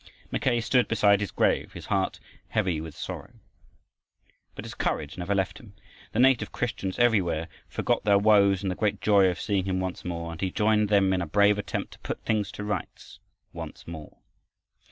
Mackay stood beside his grave, his heart heavy with sorrow. But his courage never left him. The native Christians everywhere forgot their woes in the great joy of seeing him once more; and he joined them in a brave attempt to put things to rights once more.